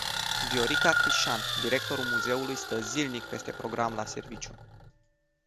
Viorica Crișan, directorul muzeului, stă zilnic peste program la serviciu.